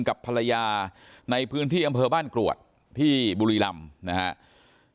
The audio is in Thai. กับภรรยาในพื้นที่อำ่าเมืองบ้านกรวดที่บุฬิลำแล้วก็